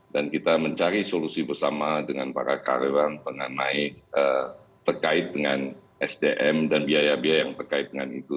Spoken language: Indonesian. dan kita mencari solusi bersama dengan para karyawan pengamai terkait dengan sdm dan biaya biaya yang terkait dengan itu